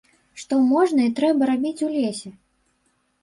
Што можна і трэба рабіць у лесе?